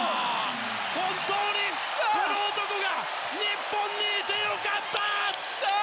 本当に、この男が日本にいて良かった！